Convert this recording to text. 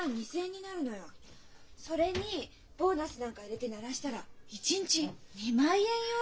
それにボーナスなんか入れてならしたら１日２万円よ！